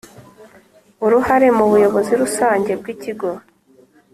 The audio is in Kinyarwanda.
Uruhare mu buyobozi rusange bw ikigo